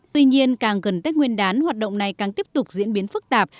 tuy nhiên càng gần tết nguyên đán hoạt động này càng tiếp tục diễn biến phức tạp